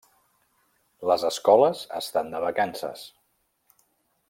Les escoles estan de vacances.